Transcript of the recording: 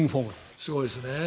すごいですね。